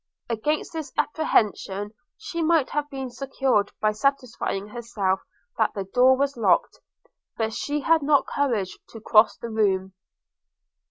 Against this apprehension she might have been secured by satisfying herself that the door was locked; but she had not courage to cross the room.